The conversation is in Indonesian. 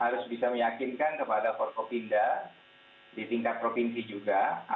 harus bisa meyakinkan kepada forkopinda di tingkat provinsi juga